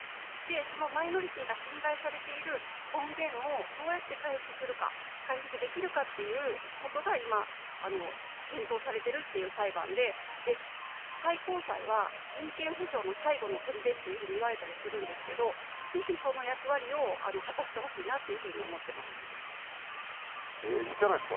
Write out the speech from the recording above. そのマイノリティーが傷つけられているとき尊厳をどうやって回復するかっていうことが、今、検討されているという裁判で、最高裁は人権保障の最後のとりでというふうにいわれたりするんですけど、是非その役割を果たしてほしいなというふうに思っています。